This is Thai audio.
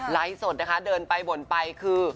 สดนะคะเดินไปบ่นไปคือ